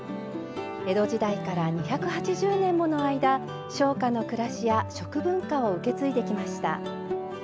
江戸時代から２８０年もの間商家の暮らしや食文化を受け継いできました。